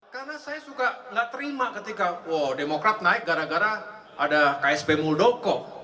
karena saya suka gak terima ketika demokrat naik gara gara ada ksp muldoko